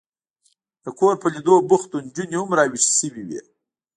د کور په لیدو بوخت و، نجونې هم را وېښې شوې وې.